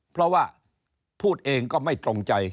เพราะว่าพูดเองก็ไม่ตรงใจ